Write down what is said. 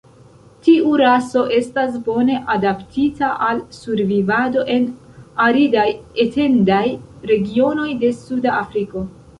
Tiu raso estas bone adaptita al survivado en aridaj etendaj regionoj de Suda Afriko.